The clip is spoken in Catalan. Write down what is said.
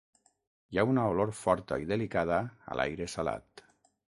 Hi ha una olor forta i delicada a l'aire salat.